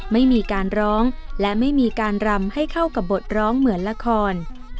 ไม่มีการร้องและไม่มีการรำให้เข้ากับบทร้องเหมือนละคร